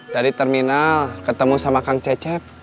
dari terminal ketemu sama kang cecep